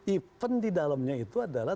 event di dalamnya itu adalah